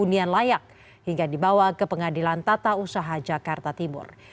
hunian layak hingga dibawa ke pengadilan tata usaha jakarta timur